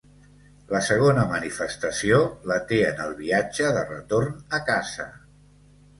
La segona manifestació la té en el viatge de retorn a casa.